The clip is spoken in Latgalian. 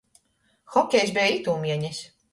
Hokejs beja itūmienes.